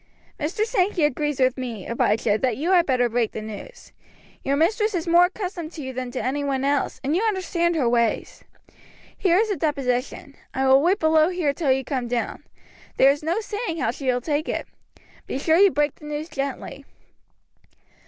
"Mr. Sankey agrees with me, Abijah, that you had better break the news. Your mistress is more accustomed to you than to any one else, and you understand her ways. Here is the deposition. I shall wait below here till you come down. There is no saying how she will take it. Be sure you break the news gently."